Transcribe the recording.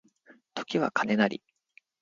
時は金なり